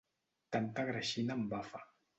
Tanta greixina embafa.